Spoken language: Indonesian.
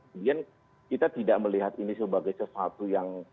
kemudian kita tidak melihat ini sebagai sesuatu yang